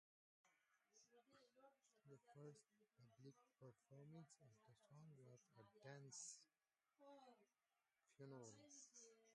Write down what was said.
The first public performance of the song was at Duncan's funeral.